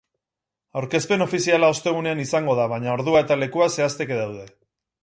Aurkezpen ofiziala ostegunean izango da, baina ordua eta lekua zehazteke daude.